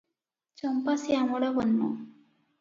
ଚମ୍ପା ଶ୍ୟାମଳ ବର୍ଣ୍ଣ ।